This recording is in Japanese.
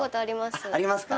ありますか。